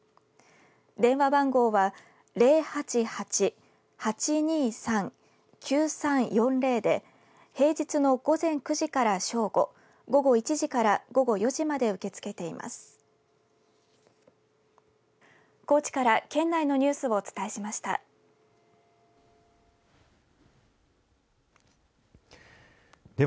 電話番号は０８８−８２３−９３４０で平日の午前９時から正午午後１時から午後４時まで受け付けています。